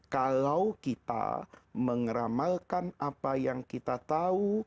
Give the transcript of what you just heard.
kalau kita mengeramalkan apa yang kita tahu